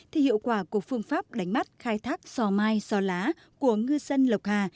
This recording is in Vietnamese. thì hiệu quả của phương pháp đánh bắt khai thác sò mai sò lá của ngư dân lộc hà